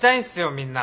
みんな。